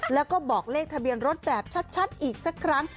แล้วก็บอกเลขทะเบียนรถแบบชัดอีกสักครั้ง